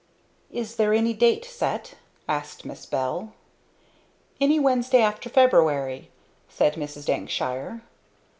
"Is there any date set?" asked Miss Bell. "Any Wednesday after February," said Mrs. Dankshire.